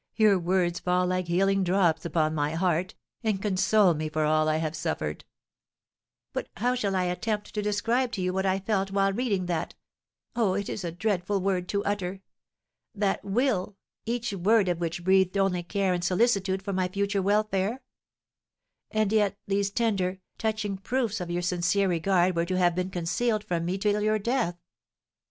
Your words fall like healing drops upon my heart, and console me for all I have suffered." "But how shall I attempt to describe to you what I felt while reading that oh, it is a dreadful word to utter! that will, each word of which breathed only care and solicitude for my future welfare? And yet these tender, touching proofs of your sincere regard were to have been concealed from me till your death.